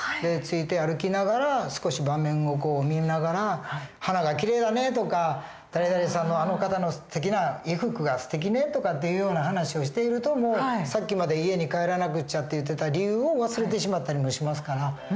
ついて歩きながら少し場面を見ながら花がきれいだねとか誰々さんのあの方の衣服がすてきねとかっていうような話をしているともうさっきまで家に帰らなくちゃって言ってた理由を忘れてしまったりもしますから。